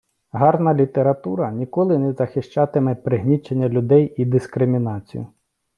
Гарна література ніколи не захищатиме пригнічення людей і дискримінацію.